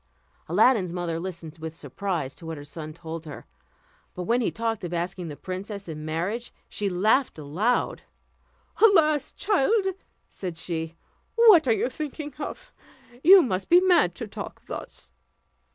Aladdin's mother listened with surprise to what her son told her; but when he talked of asking the princess in marriage, she laughed aloud. "Alas! child," said she, "what are you thinking of? You must be mad to talk thus."